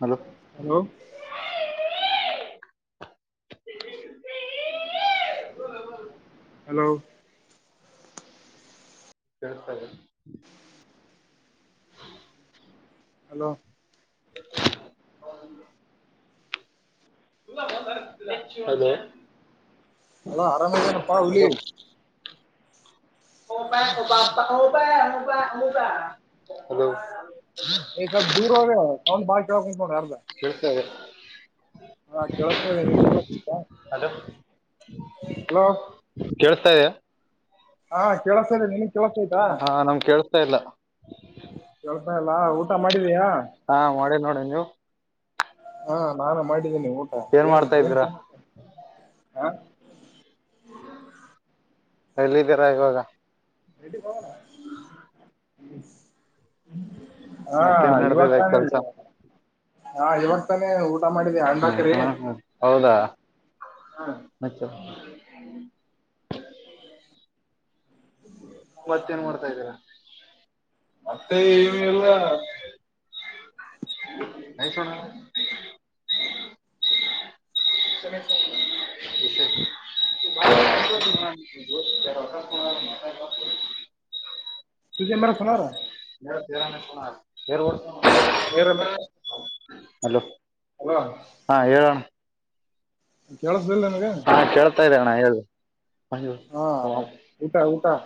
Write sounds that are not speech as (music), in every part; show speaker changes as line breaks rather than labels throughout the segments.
Hello
hello hello
ಹೇಳ್ತಾರೆ
hello
(inaudible) hello
ಅ ಅರಾಮನೆ ತಾನಪ್ಪಾ ಉಳ
ಹಲೋ ಹಲೋ
ಈ ಸಬ ದೂರ ಹೋಗ ಕೌನ್ ಬ ಶಕ
ಕೆಳ್ತದೆ
ಹಾ ಕೇಳತತಾ ಇದೆ ನಿನಗೆ ಕೇಳಿಸ್ತದಾ ಹಲೋ
ಕೇಳ್ಸ್ತಾ ಇದ್ದಾ
ಹಾ ಕೆೇಳಸದೆ ಇದ್ದೇ ನಿನಗೆ ಕೆೇಳಸಯ್ತಾ
ಕೆಲಿಸ್ತಿಲಾ
ಕೆಳ್ಸ ಇಲ್ಲ ಊಟ ಮಾಡಿ
ಹಾ ಮಾಡೇ ನೋಡ ನೀವು
ಹಾ ನಾನು ಮಾಡಿದ್ದೀನಿ ಊಟ ಏನ್
ಮಾಡ್ತಾ
ಏನ್
ಇದ್ದೀರಾ
ಹ
ಎಲ್ಲಿದ್ದೀರ ಇವಾಗ
ರ ಹಾ
ಮತ್ತೇನ್
ಇವಾಗ
ನಡ್ದಿದೆ
ತಾನೇ
ಕೆಲ್ಸ
ಹ ಇವಾಗ ತಾನೇ ಮಾಡಿದೆ ಅಂಡಾ ಕರಿ
ಹೌದಾ ಮೆ ಮ್ಯಾಥೆ ಎನ್ ಮಾಡ್ತಾ ಇದ್ದೀರ ಮತ್ತೆ ಏನು ಎಲ್ಲ ನ ಸಣ ವಿ (inaudible)
ಸುಜಿ ಮರ ಸುನಾರ
ಮೇ ತೇರಾನ ಸುನಾರ (inaudible) ಹಲೋ
ಹಲೋ
ಹಾ ಹೇಳೋಣ
ಕೇಳಿಸ್ಲಿಲ್ಲ ನಿನಗೆ
ಹಾ ಕೇಳ್ತಾ ಇದ್ದಣ ಹೇಳ
ಹಾ ಊಟ ಊಟ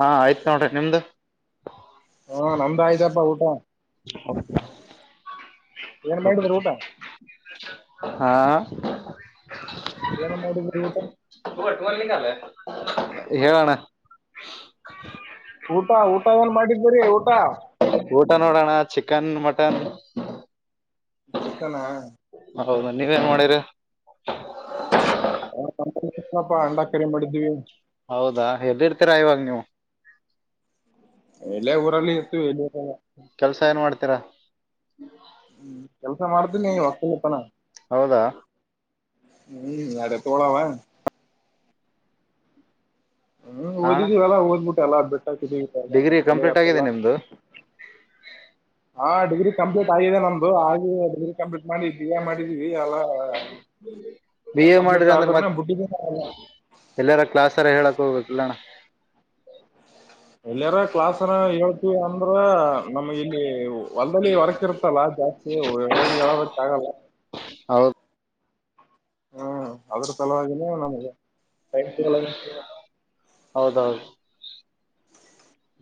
ಹಾ ಆಯ್ತ್ ನೋಡ್ರಿ ನಿಮ್ದು
ಹಾ ನಮ್ದು ಆಯ್ತಪ್ಪ ಊಟ
ಹ
ಏನ್
ಹ
ಮಾಡಿದ್ರಿ ಊಟ
ಹಾ
ಏನು ಮಾಡಿದರೂ ಊಟ
ಹೆಲನ್ನಾ
ಊಟ ಊಟ ಏನ್ ಮಾಡಿದರಿ ಊಟ
ಊಟ ನೋಡೋಣ ಚಿಕನ್ ಮಟನ್
ಚಿಕನ್
ಹೌದ ನೀವೇನ್ ಮಾಡಿರಿ
ಅಂಡಾ ಕರಿ ಮಾಡಿದ್ದೀವಿ
ಹೌದಾ ಎಲ್ಲಿಿರ್ತೀರಾ ಇವಾಗ ನೀವು
ಎಲೆ ಊರಲ್ಲಿ ಇತ್ತು ಎಲ್ಲಿ
ಕೆಲ್ಸ ಏನ್ ಮಾಡ್ತೀರಾ
ಹ್ಮ್ ಕೆಲ್ಸ ಮಾಡ್ದೀನಿ ಹೊಲ್ಲಪನ
ಹೌದಾ
ಹ್ಮ್ ನಡ ತೋಳಾವ (unintelligible) ಹ್ಮ್
ಹಾ ಅಣ್ಣ
ಓದಿದಿವವಲ್ಲಾ ಓದ್ಬಿಟ್ಟ ಎಲ್ಲ ಬೆಟ್ಟಅತ್ತಿಧಿವಿ
ಡಿಗ್ರಿ
ತಲೆಗೆ
ಕಂಪ್ಲೀಟ್
ಅತ್ತಲ್ಲ
ಆಗಿದೆ
ಎಲ್ಲ
ನಿಮ್ದು (unintelligible)
ಹಾ ಡಿಗ್ರಿ ಕಂಪ್ಲೀಟ್ ಆಗಿದೆ ನಮ್ದು ಆಗಿ ಡಿಗ್ರಿ ಕಂಪ್ಲೀಟ್ ಮಾಡಿ ಬಿ ಎ ಮಾಡಿದೀವಿ ಎಲ್ಲ.
ಬಿ ಎ
ಕಂಪ್ಲೀಟ್
ಮಾಡ್ರ ಅಂದ್ರೆ
ಆದ್ರನೆ
ಮತ್
ಬಿಟ್ಟಿದೀನಿ
ಎಲ್ಲಾರ ಕ್ಲಾಸ್ರ ಹೇಳಕ್ ಹೋಗ್ಬೇಕ ಇಲ್ಲಣ
ಎಲ್ಲಯಾರ ಕ್ಲಾಸ್ನ ಹೇಳ್ತಿವಿ ಅಂದ್ರ ನಮ್ ಇಲ್ಲಿ ಹೊಲ್ದಲ್ಲಿ ಹೊರಕ್ ಇರ್ತಲ್ಲ ಜಾಸ್ತಿಬೇಕ ಆಗಲ್ಲ
ಹೌದ
ಹ್ಮ್ ಅದ್ರ ಸಲವಾಗಿನ ನಮ್ಗೆ.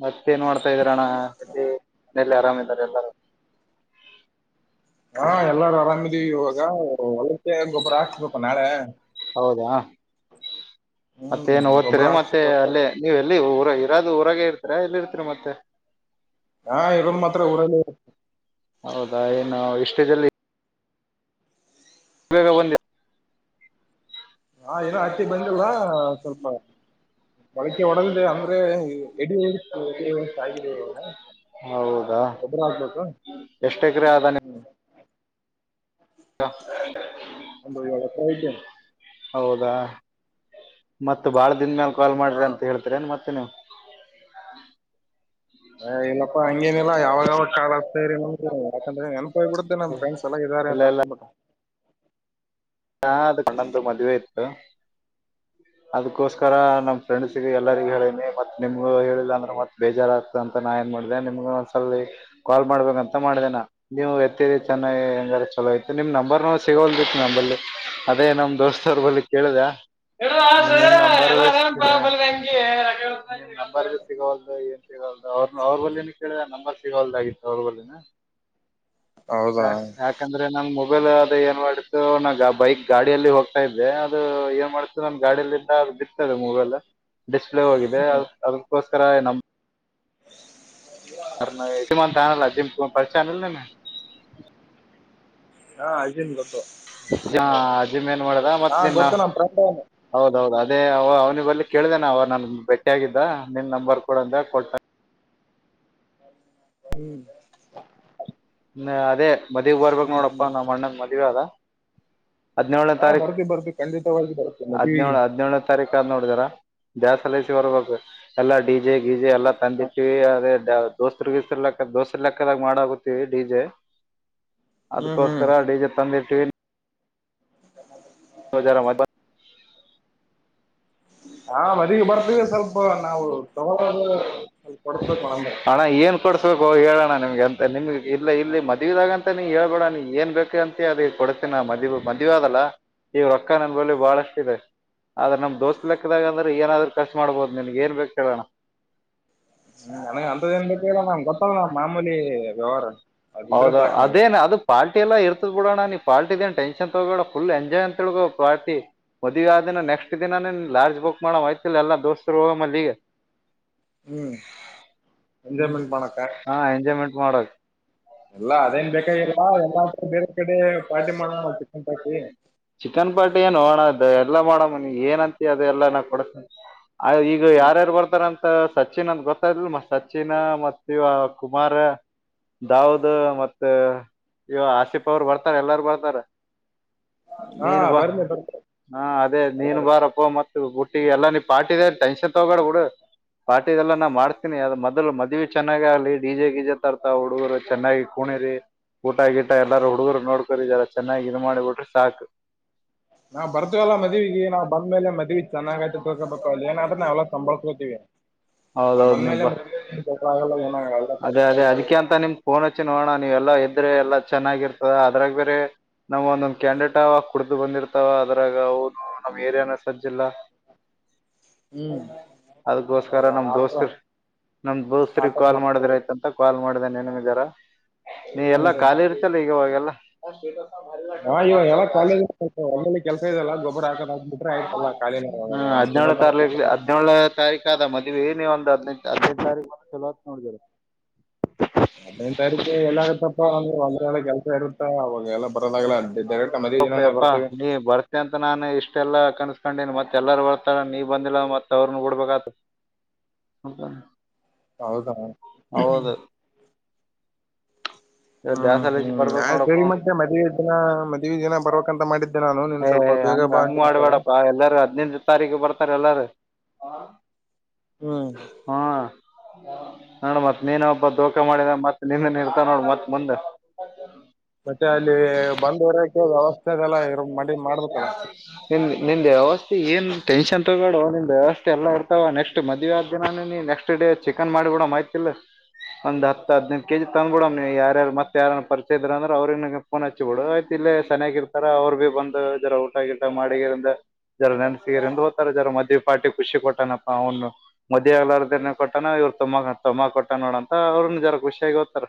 ಮತ್ತ ಏನ್ ಮಾಡ್ತಾ ಇದೀರಣ್ಣ ಎಲ್ಲಿ (inaudible) ಮನೆಯಲ್ಲಿ ಆರಾಮಾರೆ ಎಲ್ಲಾರ
ಓ ಒಳ್ಳ ಗೊಬ್ಬುರ ಹಾಕ್ಸ್ಬೇಕು ನಾಳೆ
ಮತ್ತ
ಹ್ಮ್
ಏನ್ ಓದ್ತರ
ಗೊಬ್ಬರ
ಮತ್ತೆ
ಹಾಕ್ಸ್ಬೇಕು
ಅಲ್ಲೇ ನೀವ ಎಲ್ಲಿ ಊರ ಅದು ಹೊರಗೆ ಇರ್ತರ ಇಲ್ಲಿ ಇರ್ತರಿ ಮತ್ತೆ
ಹಾ ಇರೋದ್ ಮಾತ್ರ ಊರಲ್ಲಿ
ಹೌದಾ ಏನು ಎಷ್ಟೇಜಲ್ಲಿ ಬೇಗ ಬಂದೆ
ಹಾ ಏನೋ ಹತ್ತಿ ಬಂದಲ್ ಸ್ವಲ್ಪ ಬಳಕೆ ಒಡದಿದೆ ಅಂದ್ರೆ ಎಡಿ ಎಡಿಷ್ಟ ಆಗಿದೆ ಇವಾಗ
ಹೌದಾ
ಒಬರ ಆಗ್ಬೇಕಾ
ಎಷ್ಟ್ ಎಕರೆ
ಹ್ಮ್.
ಹ
ಒಂಬ ಳ ಆಯತ (unintelligible)
ಹೌದಾ ಮತ್ತತ್ ಬಾಳ ದನ್ ಮ್ಯಾಲ ಕಾಲ್
ಹಾ
ಮಾಡ್ರಿ ಅಂತ ಹೇಳ್ತರಿ ಮತ್ತೆ ನೀವ್ (inaudible)
ಹ ಇಲ್ಲಪ್ಪಾ ಹಂಗೇನಿಲ್ಲಾ ಯಾವಾಗಾವ ಕಾ ಸೇರಿ ನಮಗೆ. ಅಂದೆನ್ಪಾಯ್ ಬಿಡ್ತ್ ನಮ್ಮ ಫ್ರೆಂಡ್ಸ್ ಎಲ್ಲ ಇದ್ದಾರೆ ಅಕ್ಬಟ್ಟು.
ಹಾ ಅದು ಕಂಡಂದು ಮದ್ವೆ ಇತ್ತು. ಅದ್ಕೋಸ್ಕರ ನಮ್ಮ ಫ್ರೆಂಡ್ಸ್ಗ ಎಲ್ಲರಿಗ ಹೇಳನಿ ಮತ್ ನಿಮ್ಗ ಹೇಳಿಲ್ಲ ಅಂದ್ರೆ ಮತ್ ಬೇಜಾರಾಗಗ್ತ ಅಂತ ನಾ ಮಾಡ ನಿಮ್ಗ ಒಂದ್ಸಲ ಕಾಲ್ ಮಾಡ್ಬೇಕಂತ ಮಾಡೇನಾ ನೀವು ಎತ್ತರಿ ಚೆನ್ನಾಗಿ ಹೆಂಗ ಚಲೋ ಐ ಸ ನಿಮ್ಮ ನಂಬರ್ನ ಸೇವ್ ಆಗಿತ್ತು ನಂಬರ್ಲ್ಲಿ ಅದೇ ನಮ ದೋಸ್ತವ್ರ ಬಳ ಕೇಳುದ (unintelligible) ಹ (inaudible) ನಂಬರ್ ಇ ಸಿಗಲ್ದು ಏನ್ ಸಿಗಲ್ದು ಅವ್ರ ಅವ್ರ ಬಲ್ಲಿ ಏನ ಕೇಳಿದ ನಂಬರ್ ಸಿಗವಲ್ದಾಗಿತ್ತು ಅವ್ರ ಬಲ್ಲಿನ.
ಹೌದಾ
ಯಾಕಂದ್ರೆ ನಂ ಮೊಬೈಲ್ ಆದದ ಏನ್ ಮಾಡತ್ತುು ನಂಗ ಹಬ್ಬ. ಬೈಕ್ ಗಾಡಿಯಲ್ಲಿ ಹೋಗ್ತಾ ಇದ್ದೆ ಅದು ಏನ್ ಮಾಡ್ತದೆ ನ ಗಾಡಿಯಲ್ಲಿಂದ ಅದು ಬಿರ್ತದೆ ಮೂವೆಲ್ಲ. ಡಿಸ್ಪ್ಲೇ ಹೋಗಿದೆ ಅ ಅದಕ್ಕೋಸ್ಕರ ನಮ ಅ ನ ಜಮನ್ಂತಾನಲ್ಲ ಜಿಮ ಪಕ್ಷೆ (unintelligible) ನ.
ಹಾ ಅಜಿ (inaudible) ಗೊತ್ತು
(unintelligible) ಅಜಿಮ ಏನ್ ಮಾಡದ
ಹಾ
ಮತ್ ನಿನ್ನ
ಗೊತ್ತು ನಮ್ ಫ್ರೆಂಡ್
ಹೌದೌದು ಅದೇ ಅವ್ನಿಗೆ ಬಲ್ಲಿ ಕೇಳ್ದೇನ ಅವ ನನ್ ಭೇಟ್ಟಿಯಾಗಿದ್ದ ನಿನ್ ನಂಬರ್ ಕೂಡ ಅಂದ ಕೊಟ್ಟ
ಹ್ಮ್ (inaudible)
ಹ್ಮ ಅದೇ ಮದ್ಗ್ ಬರ್ಬೇಕಕ್
ಹ್ಮ್
ನೋಡಪ್ಪಾ ನಮ್ಮ್ ಅಣ್ಣಂದ ಮದ್ವೆ ಅದ. ಹದ್ಿನೇಳನೇ
ಹಾ
ತಾರೀಖ
ಬರ್ತೀವಿ ಬರ್ತೀವಿ ಖಂಡಿತವಾಗಿ ಬರ್ತೀವಿ ಮದುವಿಗೆ
ಹದ್ಿನೇಳಳ್ ಹದ್ಿನೇಳನೇ ತಾರೀಕ ನೋಡಿದಾರ. ದಸ್ಲಸ ಬರ್ಬೇಕು ಎಲ್ಲಾ ಡಿ ಜೆ ಗಿಜೆ ಎಲ್ಲ ತಂದಿಟ್ಟೀವಿ ಅದೇ. ದೋಸ್ತ್ರಸ ಲೆಕ್ಕ ದೋಸ್ ಲೆಕ್ಕದಾಗ ಮಾಡಕುತ್ತವಿ ಡಿಜೆ.
ಹ್ಮ್ ಹ್ಮ್
ಅದ್ಕ್ಕೋಸ್ಕರ ಡಿಜೆ ತಂದಿಟ್ಟೀವಿ (unintelligible) ರಮ
ಹಾ ಮದಿಗೆ ಬರ್ತವಿ ಸ್ವಲ್ಪ ನಾವು ತಗೊಳೋದು ಸ್ವಲ್ಪ ಕೊಡಸ್ಬೇಕು ನಮ್ಗೆ
ಅಣ ಏನ್ ಕೊಡ್ಸ್ಬೇಕು ಹೇಳೋಣ ನಿಮ್ಗೆ. ನಿಮ್ಗೆ ಇಲ್ಲ ಇಲ್ಲಿ ಮದುವಿದಾಗಂತ ನೀ ಹೇಳ್ಬೇಡ ನೀ ಏನ್ ಬೇಕು ಅಂತ ಅದಕ್ಕೆ ಕೊಡ್ತೀನ ಮದ್ ಮದ್ವೇ ಅದಲ್ಲ ಈವ್ ರೊಕ್ಕ ನಂದಳ ಬಾಳಷ್ಟ ಇದೆ. ಆದ್ರೆ ನಮ್ ದೋಸ್ ಲೆಕ್ಕದಾಗ ಅಂದ್ರೆ ಏನಾದ್ರು ಖರ್ಚು ಮಾಡ್ಬೋದು ನಿನ್ಗ್ ಏನ್ ಬೇಕು ಕೇಳಅಣ್ಣ. (inaudible)
ಹ್ಮ ನನ ಅಂತದಏನ್ ಬಟ್ಟಲ್ಲ ನಂಗೆ ಗೊತ್ತಲ್ ನ ಮಾಮೂಲಿ ವ್ಯವಹಾರ. ಅದಿದ್ರೆ
ಹೌದು
ಸಾಕು ನಮ್ಗೆ
ಅದೇನ ಅದು ಪಾರ್ಟಿ. ಎಲ್ಲ ಇರ್ತದ್ ಬಿಡೋಣ ನೀ ಪಾರ್ಟಿ ದ ಟೆನ್ಷನ್ ತಗೋಣ ಫುಲ್ ಎಂಜಾಯ್ ಅಂತೋ ಪಾರ್ಟಿ ಮದುವೇ ಆ ಆದಿನ. ನೆಕ್ಸ್ಟ್ ದಿನಾನನ್ ಲಾಡ್ಜ್ ಬುಕ್ ಮಾಡ ಆಯ್ತಿಲ್ಲ ಎಲ್ಲ ದೋಸ್ತರು ಹೋಗ ಮ ಅ ಲ್ಲಿಗೆ.
ಹ್ಮ್
ಹ್ಮ ಹಾ ಎಂಜಾಯ್ಮೆಂಟ್ ಮಾಡಕ್.
ಎಲ್ಲ ಅದೇನ್ ಬೇಕಾಗಿಲ್ಲ ಎಲ್ಲ ಬೇರೆ ಕಡೆ ಪಾರ್ಟಿ ಮಾಡಣ ಚಿಿಕನ್ ಪಾರ್ಟಿ.
ಚಿಕನ್ ಪಾರ್ಟಿ ನೋಡಣ. ಎಲ್ಲ ಮಾಡ ಮನಿ ಏನಂತಿ ಅದೆ ಎಲ್ಲ ಕೊಡಸ್ತಿನಿ ಈಗ ಯಾರ್ಯಾರು ಬರ್ತ. ಸಚಿನ್ ಅಂದ ಗೊತ್ತ್ಲ್ ಸಚಿನ್ ಮತ್ ಇ ಕುಮಾರ. ದಾವದ್ ಮತ್ತೆ ಇವ ಆಸಿಫ್ ಅವರು ಬರ್ತಾರ ಎಲ್ಲಾರ ಬರ್ತಾರ.
ಹಾ
ನೀನ್ ಬಾ
ಬರ್ಲಿ ಬರ್ಲಿ
ಹಾ ಅದೇ ನೀನ್ ಬಾರಕ್ಕೋ ಮತ್ತೆ. ಬುಟ್ಟಿಗೆ ಎಲ್ಲ ನೀ ಪಾರ್ಟಿ ಟೆನ್ಷನ್ ತಗೊಂಡ ಬಿುಡು. ಪಾರ್ಟಿ ದೆಲ್ಲ ನಾ ಮಾಡ್ತೀನಿ ಅದ ಮೊದ್ಲು ಮದ್ವಿ ಚೆನ್ನಾಗಿ ಆಗ್ಲಿ ಡಿಜೆ ಗೀಜೆ ತರ್ತ ಹುಡುಗರು ಚೆನ್ನಾಗಿ. ಕುಣಿರಿ ಊಟ ಗಿಟ ಎಲ್ಲಾರು ಹುಡುಗರು ನೋಡ್ಕೋರಿಲ್ಲ ಚೆನ್ನಾಗಿ ಇದ ಮಾಡಿ ಬಿಡ್ರಿ ಸಾಕು.
ನಾವ್ ಬರ್ತವಿವಲ್ಲ ಮದ್ವೆಗೆ ನಾವವು ಬಂದ್ೇಲೆ ಮದ್ವಿ ಚೆನ್ನಾಗ್ಐತಿ ತೋಕೋಬೇಕಕ್ ಅಲ್ಲ ಏನಾದ್ರ ನಾವೆಲ್ಲ ಸಂಭಾಳ್ಕೋತೀವಿ.
(unintelligible) ಹೌದೌದು್ ನಿಬಾ
ಜಗಳ ಆಗಲ್ಲ ಏನಾಗಲ್ಲ ಎಲ್ಲ
ಅದೇ
ಕರೆಕ್ಟ್
ಅದೇ
ಆಗಿ
ಅದಕ್ಕೆ
ಆಗುತ್ತೆ
ಅಂತ ನಿಮ ಫೋನ್ ಹಚ್ಚಿ ನೋಡಣ. ನೀವೆಲ್ಲಾ ಇದ್ರೆ ಎಲ್ಲಾ ಚೆನ್ನಾಗಿರ್ತದ ಅದ್ರಾಗ ಬೇರೆ. ನಾವ್ ಒಂದೊಂದ್ ಕ್ಯಾಂಡಿಡೇಟ್ ಅವ ಕುಡ್ದು ಬಂದಿರ್ತಾವ ಅದ್ರಾಗ ನಮ್ ಏರಿಯಾನ ಸಜ್ಜಿಲ್ಲ. (unintelligible)
ಹ್ಮ್.
ಅದಕ್ಕೋಸ್ಕರ
ಹೌದಾ
ನಮ್
ಆತರ
ದೋಸ್ತ್ ನಮ್ ದೋಸ್ತ್್ರ
ಆತರ
ಕಾಲ್ ಮಾಡಿದ್ರ
ಮಾಡ್ಕೋಬೇಕು
ಆಯತಂತ ಕಾಲ್ ಮಾಡ್ದನ್ ಏನ ಇದಾರ. ನೀ ಎಲ್ಲಾ ಖಾಲಿ ಇರ್ತಲ್ಲ ಈಗವಾಗೆಲ್ಲ.
ನಾ ಇವ ಎಲ್ಲ ಕಾಲೇ ಒಲ್ಲಿ ಕೆಲ್ಸ ಇದೆಲ್ಲ ಗೊಬ್ಬರ ಹಾಕದ ಹಾಕ್ಬ ಬಿಟ್ರೆ ಆಯ್ತಲ್ಲಾ ಕಾಲ.
ಹಾ ಹದಿನೇಳು ತಾರೀಕು ಹದಿನೇಳ ತಾರೀಕ ಆದ ಮತ್ತೆ. ನೀವ ಏ ನೀ ಒಂದು ಹದಿನೈದು ತಾರೀಕು ಬಂದ ಚಲೋ ನೋಡಿದೀರ.
ಹದ್ೈದು ತಾರೀಕು ಎಲ್ಲ ಆಾಗತ್ತಪ್ಪ ಅಂದ್ರೆ ಒಳೆ ಕೆಲಸ ಇರುತ್ತ ಅವಾಗೆಲ್ಲ ಬರಂದಾಗಲ್ಲ (unintelligible)
ಪಪ್ಪಾ ನೀ ಬರ್ತೆ ಅಂತ ನಾನು. ಇಷ್ಟೆಲ್ಲಾ ಕನ್ಸ್ಕೊಂಡೀನ್ ಮತ್ತತ್ ಎಲ್ಲಾರ ಬರ್ತಾರ ನೀವ್ ಬಂದಿಲ್ಲ ಮತ್ ಅವ್ರನ್ನ ಹುಡ್ಬೇಕ ಆತ. ಹೌದ.
ಹೌದಾ (unintelligible)
ಇವತ್ತ್
ಹ್ಮ್
ದ್ಯಾಸಲಿಸಿ
ಹ್ಮ್
ಬರ್ಬೇಕ್
ಆಯ್ ಸರಿ
ನೋಡಪ್ಪೋ
ಮತ್ತೆ ಮದ್ವೆ ದಿನ ಮದ್ವೆ ದಿನ ಬರಕ್ಂತ ಮಾಡಿದ್ದ.
ಏ ಹಂಗ್ ಹಂಗ್ ಮಾಡ್ಬೇಡಪ್ಪಾ ಎಲ್ಲಾರ ಹದಿನೈದು ತಾರೀಕು ಬರ್ತ. ಎಲ್ಲಾರ (unintelligible)
ಹ್ಮ್
ಹ್ಮ. ನೋಡ ಮತ್ತ್ ನೀನ ಒಬ್ಬ ದೋಕ ಮಾಡಿದ ಮತ್ತತ್ ನಿನ್ನೆ ಇರ್ತ ನೋಡ ಮತ್ ಮುಂದೆ.. (unintelligible)
ಮತ್ತೆ ಅಲ್ಲಿ ಬಂದ ಇರಕ ವ್ಯವಸ್ಥೆ ಅದೆಲ್ಲ ಇ ಮ ಮಾಡ್ಬೇಕಲ್ಲ.
ನಿನ್ ನಿನ್ ವ್ಯವಸ್ಥೆ ಏನ್ ಟೆನ್ಷನ್ ತೊಗೋ ನಿಂದು ವ್ಯವಸ್ಥೆ ಎಲ್ಲ ಹೊಡ್ತ ನೆಕ್ಸ್ಟ್. ಮದ್ವೆ ಆದ ದಿನಾನ ನೀ ನೆಕ್ಸ್ಟ್ ಡೇ ಚಿಕನ್ ಮಾಡಿಬಡ ಐತಿಲ್ಲ. ಒಂದ ಹತ್ತು ಹದಿನೈದು ಕೆ ಜಿ ತಂದ್ಬ ಬಿಡಮ್ ನೀವು ಯಾರ ಮತ್ತ ಯಾರನ ಪರಿಚಯ ಇದ್ರ ಅ್ರ ಅವ್ರಿಗೆ ೋನ್ ಹಚ್ಚಿ ಬಿಡು ಆ್ತಿ. ಇಲ್ಲೇ ಚೆನ್ನಾಗಿ ಇರ್ತಾರ ಅವರು ಭಿ ಬಂದು ಜರ ಊಟಗಿಟ ಮಾಡಿರಿಿಂದ. ಜನ ನೆನ್ಸಗಿರ್ ಎಂದ ಹೋ್ತಾರ ಜನ ಮದುವವಿ ಪ್ಟಿ ಖುಷಿ ಕೊಟ್ಟತನಪ್ಪ ಅವನು. ಮದಿಾಗಲಾರದ ಕೊಟ್ಟಾನ ಇವ್ರು ತಮ್ಮಾ ತಂಬಾ ಕೊಟ್ಟ ನೋಡಂತ ಅವ್ರರು ನಿಜರಖುಷಿಯಾಗಿ ಹೋಗ್ತಾರ.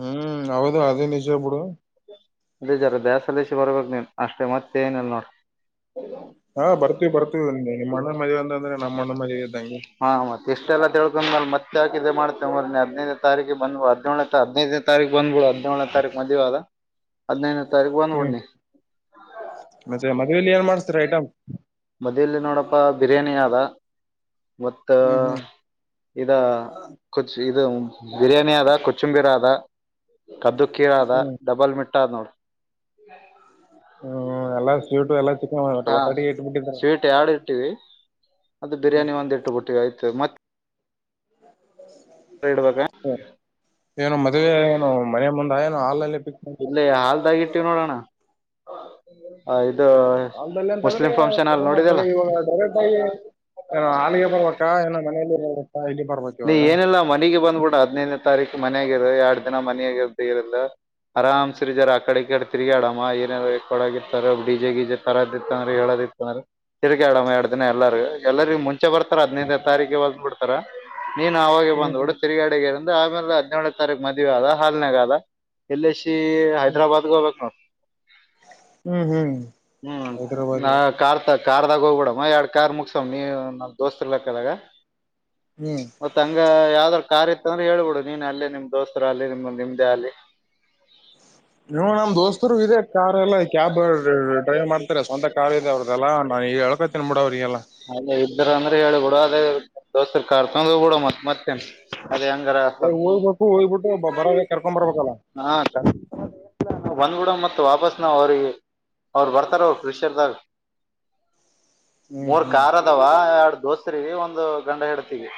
ಹ್ಮ್ ಹೌದು ಅದು ನಿಜ ಬಿಡು
(unintelligible) ಬರ್ಬೇಕು ನೀನ್ ಅಷ್ಟೇ ಮತ್ತೆ ಏನ ಅಲ್ ನೋಡ.
ಹಾ ಬರ್ತೀವಿ ಬರ್ತೀವಿ ನಿಮ್ಮ ಅಣ್ಣನ ಮದ್ವೆ ಅಂತ ಅಂದ್ರೆ.
(unintelligible) ಹಾ ಮತ್ತೆ ಇಷ್ಟೆಲ್ಲ ತಿಳ್ಕೊಂಡ್ಮೇಲೆ ಮತ್ತೆ ಹಾಕಿದೆ ಮಾಡ್ತೇ ಮರ ಹದ್ನೈದು. ತಾರೀಕ ಬಂದ್ಬು ಹದಿನೇಳನ ಹದಿನೈದೇ ತೀ ಬಂದ್ಬಳು ಹದಿನೇಳನೇ ತೀ ಮದುವ ಅದ. ಹದಿನೈದನೇ ತಾರೀಕು
ಹ್ಮ್
ಬಂದ್ಬಿಡ್ ನೀ
ಮತ್ತೆ ಮದ್ಲಿ ಏನ್ ಮಾಡ್ಸ್ತಾರ ಐಟಮ (unintelligible)
ಮದಲಿ ನೋಡಪ್ಪ ಬಿರಿಯಾನಿ ಅದ (unintelligible) ಮತ್ತ
ಹ್ಮ್ ಹ್ಮ್
ಇದ ಖಚ ಇದು (unintelligible) ಬಿರಿಯಾನಿ ಅದ ಕೊಚ್ಚಂಬೀರ ಅದ ಕದ್ದುಕ್ಕೀರ ಅದ ಡಬಲ್ ಮಿಟ್ಟ (unintelligible) ಟೊಳ (unintelligible)
ಹ್ಮ್ ಎಲ್ಲಾ ಸ್ವೀಟು ಎಲ್ಲಾ ಚಿಕನ್
ಹಾ
ಒಟ್ಟಾಟಿಗೆ ಇಟ್ಬಿಟ್ಟಿದ್ರ
ಸ್ವೀಟ್ ಯಾಡು ಇರ್ತೀವಿ (unintelligible) ಅದು ಬಿರಿಯಾನಿ ಒಂದ ಎಂಟ್ಟು ಬಟ್ಟಿಗೆ ಆಯ್ತು ಮತ್ತೆ.
ಹ್ಮ (unintelligible)
ಇಡ್ಬೇಕ
ಏನು ಮದ್ವೆ ಏನು ಮನೆ ಮುಂದ ಏನು
(unintelligible)
ಹಾಲಲ್ಲಿ ಫಿಕ್ಸ್
ಇಲ್ಲಿ ಹಾಲ್ದಾಗಿ ಇಟ್ಟೀವ ನೋಡೋಣ (unintelligible) ಹೌ (unintelligible)
ಅಲ್ಲಿ
ಹಾಲ್
ಎಂತಂದ್ರೆರೋನಾ ತ
ನೋಡಿದಲ್ಲ
ಇವಾಗ ಡರೆಟಾಗಿ. ಏನೋ ಹಾಲಿಗೆ ಬರ್ಬೇಕಾ ಏನೋ ಮನಲಿ ಬರ್ಬೇಕಾ ಇಲ್ಲಿ ಬರ್ಬೇಕ ಇವಾಗ.
ಮನೆಗೆ ಬಂದ್ಬಿಡ ಹದ್ದನೇ ತಾರೀಕು ಮನ್ಯಾಗರ ಎರಡ್ ದಿನ ಮನಯಾಗದ್ದು ಇರಲಿಲ್ಲ. ಆರಾಮ್ಸ್ರೀ ಜಾರ ಆ ಕಡೆ ಈ ಕಡೆ ತಿಗಾಡಮ್ಮ ಏನಾದಾರ ಕೊಡಗಿರ್ರ ಡಿಜೆ ಗೀಜೆ ತರದಿತ್ತ ಅಂದ್ರ ಹೇಳದು. ಇಂದ್ರೆ ತಿಗಿಡ ಎರ ದಿನ ಎಲ್ಲಾರ ಎಲ್ಲರಿಗ ಮುಂಚೆ ಬರ್ತಾರೆ ಹದಿನೈದೇ ತಾರೀಕ ಹ ಬಿಡ್. ನೀನು ಅವಾಗೆ ಬಂದ (unintelligible) ಕೂಡ ತಿರ್ಗಾಡಗ ಇಂದ ಆಮೇಲೆ ಹದಿನೇಳೇ ತಾರೀಕು ಮದುವೆ ಆದ ಹಾಲನಗಾಲ. ಎಲ್ಲ ಸಿ ಹೈದ್ರಾಬಾದ್ಗೆ ಹೋಗ್ಬೇಕಕ್ ನೋಡು.
ಹ್ಮ್ ಹ್ಮ್
ಹ್ಮ್
ಹೈದ್ರಾಬಾದ್
ನಾ ಕಾರ್ ತ ಕಾರ್ದಾಗೋಗ್ಬೂಡ (unintelligible) ಎರಡು ಕಾರ್ ಮುಗಸ ನೀ ನಮ್ ದೋಸ್ತತ್ ಇರ್ಲಕದಗ
ಹ್ಮ್
ಮತ್ತ ಹಂಗ ಯಾವ (unintelligible) ಆಯ್ತಂದ್ರೆ ಹೇಳ್ಬಿಡು ನೀನ್ ಅಲ್ಲಿ ನಿಮ್ ದೋಸ್ತರ ಅಲ್ಲಿ ನಿಮ್ದ ನಿಮ್ದೇ ಅಲ್ಲಿ. (unintelligible)
ನೀ ನಮ್ ದೋಸ್ತರು ಇದೆ ಕಾರ್ ಎಲ್ಲ ಕ್ಯಾಬ್ ಡ್ರೈವ್ ಮಾಡ್ತಾರೆ ಸ್ವಂತ ಕಾರ್ ಇದೆ ಅವ್ರ್ದಲ್ಲಾ. ಎಳ್ಕ (unintelligible)
ಅಲ್ಲೇ ಇದರು ಅಂದ್ರೆ ಹೇಳ ಬಿಡು ಅದೇ (unintelligible) ದೋಸರ್ ಕರ್ಕೊಂಡ ಬಿಡ ಮತ್ತತ್ ಮತ್ತನೆ
ಹೋಗ್ಬೇಕು ಹೋಗ್ಬಿಟ್ಟು ಬರೋ ಕರ್ಕೊ ಬರ್ಬೇಕಲ್ಲ (unintelligible)
ಒಂದ್ ಗುಡ ಮ ವಾಪಸ್ ನ ಅವ್ರ ಅವ್ರು ಬರ್ತಾರ ಅವ್ರ ಕ್ರಿಷರ್ದಾಂಗ.
ಹ್ಮ್
ಮೂರ್
ಹ್ಮ್
ಕಾರ್ ಅದವ ಎರಡು ದೋಸ್ರ ಒಂದು ಗಂಡ ಹೆಡ್ತಿಗೆ.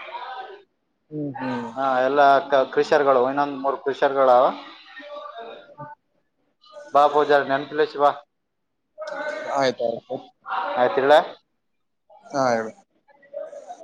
ಹ್ಮ್ ಹ್ಮ್
ಹಾ ಎಲ್ಲಾ ಅಕ್ಕ (unintelligible) ಕ್ರಿಷರ್ಗಳು ಇನ್ನೊಂದ್ ಮೂರ್ ಕ್ರಿಷರ್ಗಳಾವ (unintelligible) ಬಾಪೌಜಾರ ನನ್ಫಲಸ ಬಾ (unintelligible)
ಆಯ್ತ ಆಯ್ತು (unintelligible)
ಆಯ್ತ್ ಇಡ್ಲಾ.
ಹಾ ಹೇಳ (unintelligible)